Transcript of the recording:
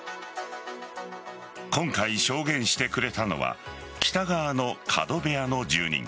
今回、証言してくれたのは北側の角部屋の住人。